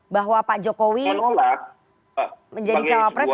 bahwa pak jokowi menjadi cawapres di dua ribu dua puluh empat